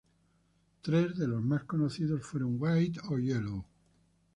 Tres de las más conocidas fueron "White or Yellow?